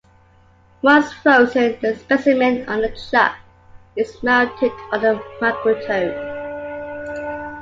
Once frozen, the specimen on the chuck is mounted on the microtome.